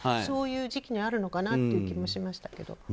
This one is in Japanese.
そういう時期にあるかなという気もしましたけど。